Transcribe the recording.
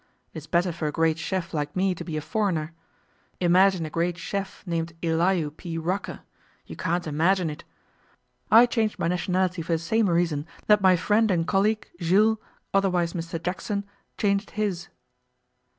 It is better for a great chef like me to be a foreigner. Imagine a great chef named Elihu P. Rucker. You can't imagine it. I changed my nationality for the same reason that my friend and colleague, Jules, otherwise Mr Jackson, changed his.